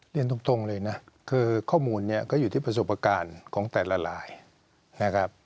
เรียนตรงเลยนะคือข้อมูลเนี่ยก็อยู่ที่ประสบการณ์ของแต่ละลายนะครับ